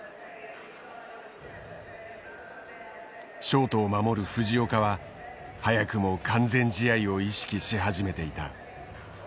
ショートを守る藤岡は早くも完全試合を意識し始めていた。